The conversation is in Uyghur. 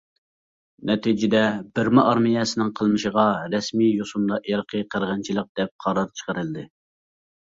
نەتىجىدە، بىرما ئارمىيەسىنىڭ قىلمىشىغا رەسمىي يوسۇندا ئىرقى قىرغىنچىلىق دەپ قارار چىقىرىلدى.